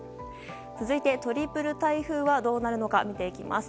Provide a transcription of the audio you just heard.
続いて、トリプル台風はどうなるのか見ていきます。